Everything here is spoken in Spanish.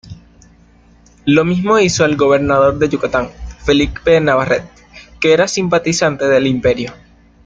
Lo mismo hizo el gobernador de Yucatán, Felipe Navarrete, que era simpatizante del Imperio.